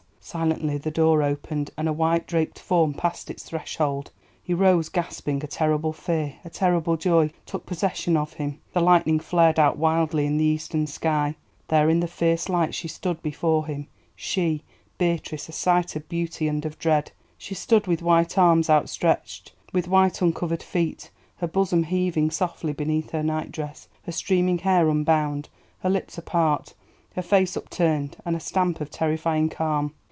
Silently the door opened, and a white draped form passed its threshold. He rose, gasping; a terrible fear, a terrible joy, took possession of him. The lightning flared out wildly in the eastern sky. There in the fierce light she stood before him—she, Beatrice, a sight of beauty and of dread. She stood with white arms outstretched, with white uncovered feet, her bosom heaving softly beneath her night dress, her streaming hair unbound, her lips apart, her face upturned, and a stamp of terrifying calm.